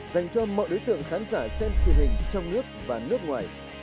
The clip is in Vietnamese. dành cho mọi đối tượng khán giả xem truyền hình trong nước và nước ngoài